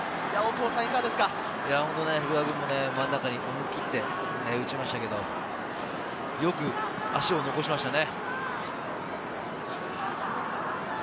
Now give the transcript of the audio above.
本当、福田は真ん中に蹴って、打ちましたけれど、よく足を残しましたね。